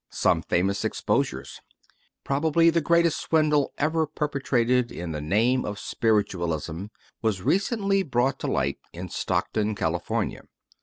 SOME FAMOUS EXPOSURES Probably the greatest swindle ever perpetrated in the name of spiritualism was recently brought to light in Stock ton, California.